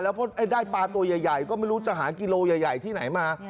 เพราะได้ปลาตัวใหญ่ก็ไม่รู้จะหากิโลใหญ่ที่ไหนมา